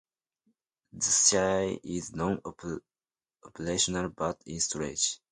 The Shay is non-operational but in storage.